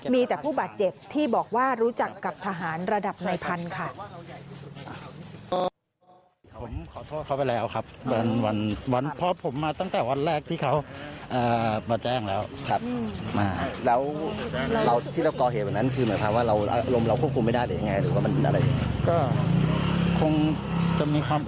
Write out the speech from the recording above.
มีแต่ผู้บาดเจ็บที่บอกว่ารู้จักกับทหารระดับในพันธุ์ค่ะ